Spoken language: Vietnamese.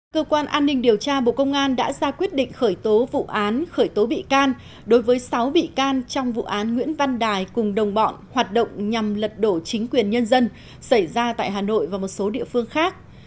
cơ quan an ninh điều tra bộ công an đã ra quyết định khởi tố vụ án khởi tố bị can đối với sáu bị can trong vụ án nguyễn văn đài cùng đồng bọn hoạt động nhằm lật đổ chính quyền nhân dân xảy ra tại hà nội và một số địa phương khác